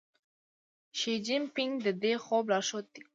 شي جین پینګ د دې خوب لارښود دی.